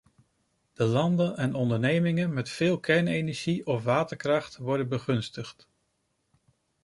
De landen en ondernemingen met veel kernenergie of waterkracht worden begunstigd.